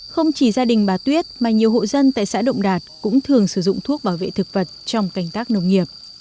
không chỉ gia đình bà tuyết mà nhiều hộ dân tại xã động đạt cũng thường sử dụng thuốc bảo vệ thực vật trong canh tác nông nghiệp